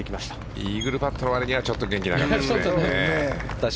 イーグルパットの割には元気なかったですね。